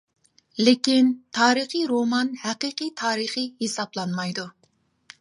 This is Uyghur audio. لېكىن تارىخىي رومان ھەقىقىي تارىخى ھېسابلانمايدۇ.